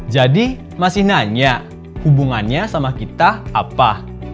jadi masih nanya hubungannya sama kita apa